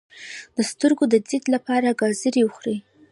د سترګو د لید لپاره ګازرې وخورئ